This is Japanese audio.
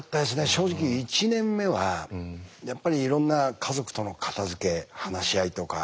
正直１年目はやっぱりいろんな家族との片づけ話し合いとか。